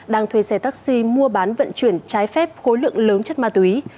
đang thuê xe taxi mua bán vận chuyển trái phép khối lượng lớn chất ma túy